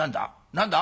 何だ？